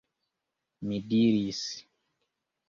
Mi diris.